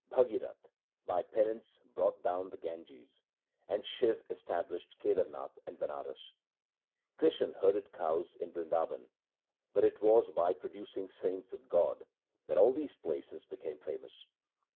Bhagirath 1 by penance brought down the Ganges, and Shiv established Kedarnath 2 and Banaras ; Krishan herded cows in Bindraban ; but it was by pro ducing saints of God that all these places became famous.